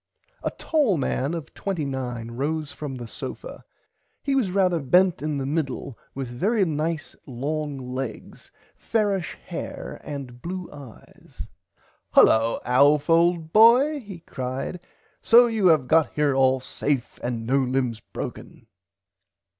A tall man of 29 rose from the sofa. He was rarther bent in the middle with very nice long legs fairish hair and blue eyes. Hullo Alf old boy he cried so you have got here all safe and no limbs broken.